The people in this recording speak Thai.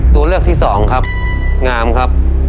ตัวเลือกที่สองครับงามครับ